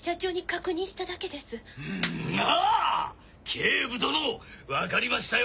警部殿分かりましたよ